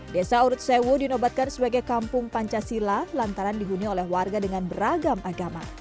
desa urut sewu dinobatkan sebagai kampung pancasila lantaran dihuni oleh warga dengan beragam agama